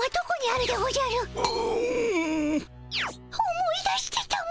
思い出してたも。